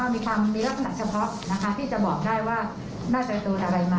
มีลักษณะเฉพาะที่จะบอกได้ว่าน่าจะโดนอะไรมา